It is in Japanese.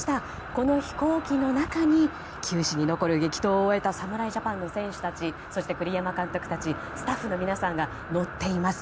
この飛行機の中に球史に残る激闘を終えた侍ジャパンの選手たちそして栗山監督たちスタッフの皆さんが乗っています。